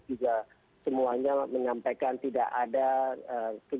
juga semuanya menyampaikan tidak ada kejadian vandalisme atau penjarahan di bisnis bisnis mereka